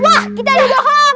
wah kita didohong